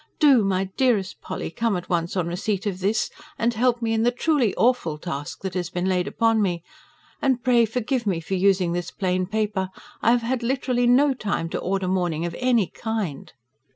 DO, MY DEAREST POLLY, COME AT ONCE ON RECEIPT OF THIS, AND HELP ME IN THE "TRULY AWFUL" TASK THAT HAS BEEN LAID UPON ME. AND PRAY FORGIVE ME FOR USING THIS PLAIN PAPER. I HAVE HAD LITERALLY NO TIME TO ORDER MOURNING "OF ANY KIND."